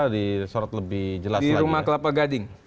di sorot lebih jelas lagi di rumah kelapa gading